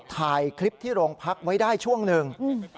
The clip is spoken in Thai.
ถ่ายคลิปที่โรงพักไว้ได้ช่วงหนึ่ง